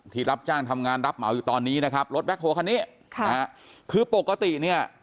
รับจ้างทำงานรับเหมาอยู่ตอนนี้นะครับรถแบ็คโฮคันนี้ค่ะนะฮะคือปกติเนี่ย